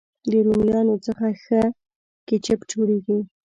د رومیانو څخه ښه کېچپ جوړېږي.